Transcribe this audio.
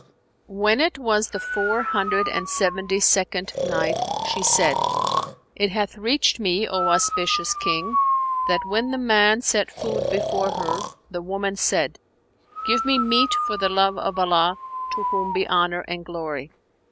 When it was the Four Hundred and Seventy second Night, She said, It hath reached me, O auspicious King, that when the man set food before her, the woman said, "Give me meat for the love of Allah to whom be Honour and Glory!'